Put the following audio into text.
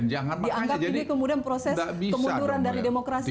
dianggap ini kemudian proses kemunduran dari demokrasi